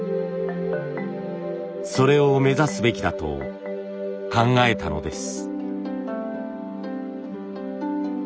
それを目指すべきだと考えたのです。